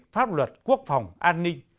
pháp luật quốc phòng an ninh